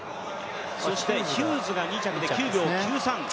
そしてヒューズが２着で９秒９３。